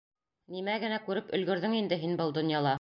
Нимә генә күреп өлгөрҙөң инде һин был донъяла?